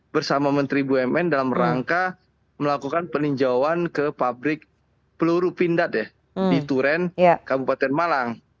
bersama menteri bumn dalam rangka melakukan peninjauan ke pabrik peluru pindad di turen kabupaten malang